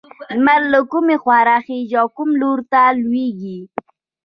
لمر له کومې خوا راخيژي او کوم لور ته لوېږي؟